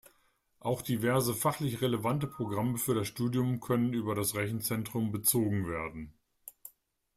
Auch diverse fachlich relevante Programme für das Studium können über das Rechenzentrum bezogen werden.